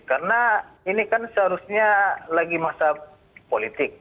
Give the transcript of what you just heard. karena ini kan seharusnya lagi masa politik